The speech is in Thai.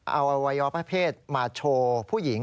เอาอวัยวะเพศมาโชว์ผู้หญิง